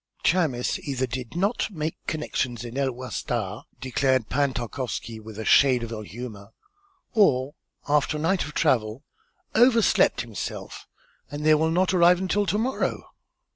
"Chamis either did not make connections in El Wasta," declared Pan Tarkowski, with a shade of ill humor, "or after a night of travel overslept himself, and they will not arrive until to morrow."